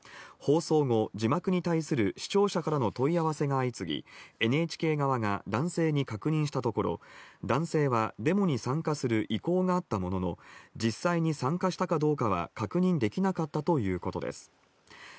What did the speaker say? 放送後、字幕に対する視聴者からの問い合わせが相次ぎＮＨＫ側が男性に確認したところ男性は、デモに参加する意向があったものの実際に参加したかどうかは確認できなかったということです。